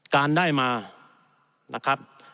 การได้มานะครับ